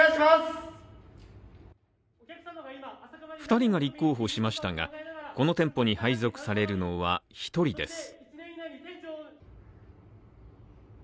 ２人が立候補しましたが、この店舗に配属されるのは１人です。